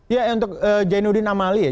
ya untuk jainuddin amali ya